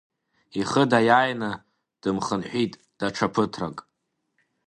Ихы даиааины, дымхынҳәит даҽа ԥыҭрак.